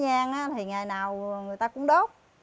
mỗi ngày như là cái nhan thì ngày nào người ta cũng đốt